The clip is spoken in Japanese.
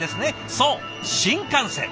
そう新幹線！